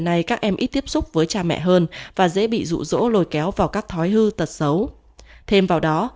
này các em ít tiếp xúc với cha mẹ hơn và dễ bị rũ rỗ lồi kéo vào các thói hư tật xấu thêm vào đó